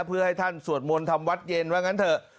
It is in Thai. เพื่อให้ท่านสวดมนต์ทำวัดเย็นว่างั้นเถอะ